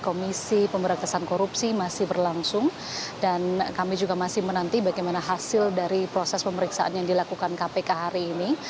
komisi pemberantasan korupsi masih berlangsung dan kami juga masih menanti bagaimana hasil dari proses pemeriksaan yang dilakukan kpk hari ini